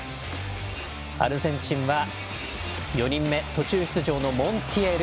アルゼンチンは４人目、途中出場のモンティエル。